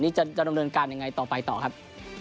นี่จะดำเนินการอย่างไรต่อไปต่อครับ